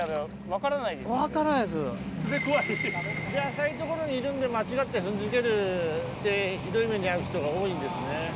浅い所にいるんで間違って踏んづけてひどい目に遭う人が多いんですね。